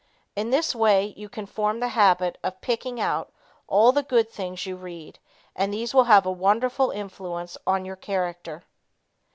In this way you can form the habit of picking out all the good things you read and these will have a wonderful influence on your character.